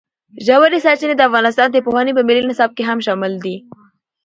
ژورې سرچینې د افغانستان د پوهنې په ملي نصاب کې هم شامل دي.